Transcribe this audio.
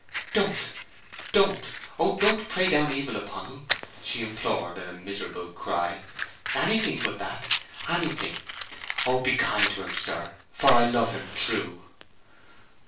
"Don't, don't, oh, don't pray down evil upon him!" she implored in a miserable cry. "Anything but that—anything. Oh, be kind to him, sir, for I love him true!"